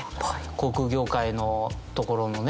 航空業界のところのね